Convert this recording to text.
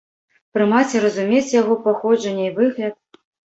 Прымаць і разумець яго паходжанне і выгляд?